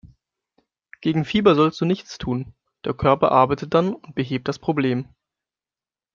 Gegen Fieber sollst du nichts tun, der Körper arbeitet dann und behebt das Problem.